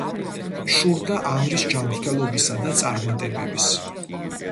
შურდა ანრის ჯანმრთელობისა და წარმატებების.